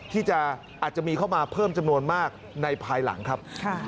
ที่อาจจะมีเข้ามาเพิ่มจำนวนมากในภายหลังครับ